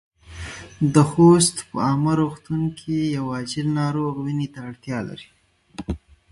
د خوست په عامه روغتون کې يو عاجل ناروغ وينې ته اړتیا لري.